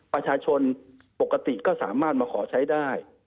ประชาชนปกติก็สามารถมาขอใช้ได้